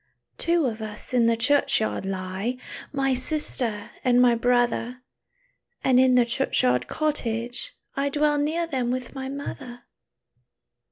"Two of us in the churchyard lie, My sister and my brother; And in the churchyard cottage, I Dwell near them with my mother."